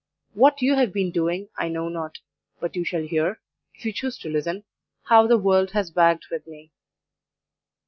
What you have been doing I know not; but you shall hear, if you choose to listen, how the world has wagged with me.